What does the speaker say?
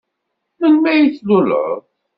Melmi ay d-tluleḍ?